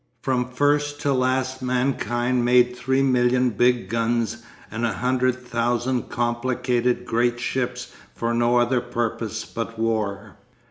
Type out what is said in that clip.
'From first to last mankind made three million big guns and a hundred thousand complicated great ships for no other purpose but war.